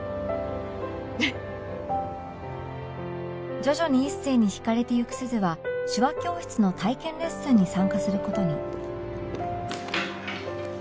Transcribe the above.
徐々に一星に惹かれていく鈴は手話教室の体験レッスンに参加する事に